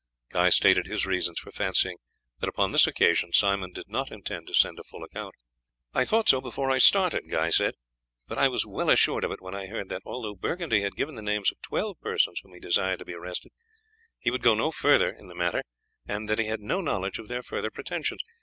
Guy stated his reasons for fancying that upon this occasion Simon did not intend to send a full account. "I thought so before I started," he said, "but I was well assured of it when I heard that, although Burgundy had given the names of twelve persons whom he desired to be arrested, he would go no further in the matter, and that he had no knowledge of their further pretensions.